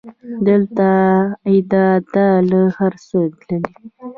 دلته ادا ده له هر څه تللې